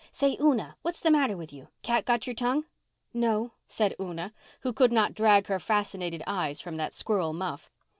Say, Una, what's the matter with you? Cat got your tongue?" "No," said Una, who could not drag her fascinated eyes from that squirrel muff.